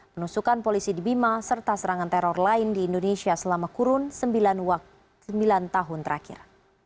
penusukan polisi di bima serta serangan teror lain di indonesia selama kurun sembilan tahun terakhir